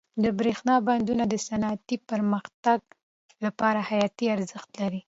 د برښنا بندونه د صنعتي پرمختګ لپاره حیاتي ارزښت لري.